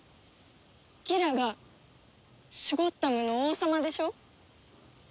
ギラがシュゴッダムの王様でしょ！？